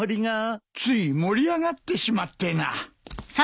つい盛り上がってしまってな。